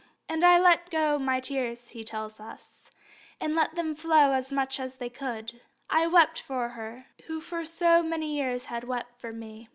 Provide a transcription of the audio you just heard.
And I let go my tears," he tells us, "and let them flow as much as they would. I wept for her, who for so many years had wept for me."